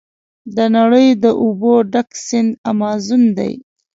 د نړۍ د اوبو ډک سیند امازون دی.